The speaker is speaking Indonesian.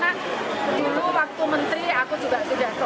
karena dulu waktu menteri aku juga sudah selesai